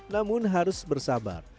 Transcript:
namun harus bersabar